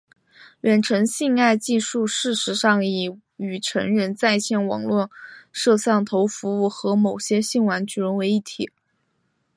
远程性爱技术事实上已与成人在线网络摄像头服务和某些性玩具融为一体。